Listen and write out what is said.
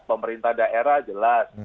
pemerintah daerah jelas